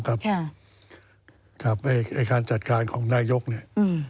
ในการแยกยกเนี่ย